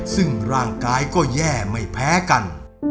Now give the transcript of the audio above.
ซึ่งร่างกายก็แย่ไม่แพ้กัน